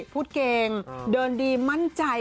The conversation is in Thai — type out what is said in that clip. พูดเก่งเดินดีมั่นใจ